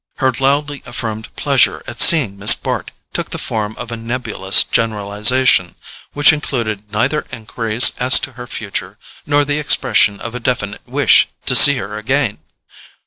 Her loudly affirmed pleasure at seeing Miss Bart took the form of a nebulous generalization, which included neither enquiries as to her future nor the expression of a definite wish to see her again.